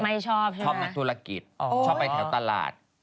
ชอบใช่ไหมชอบนักธุรกิจชอบไปแถวตลาด